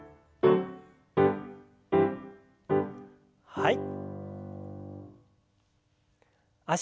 はい。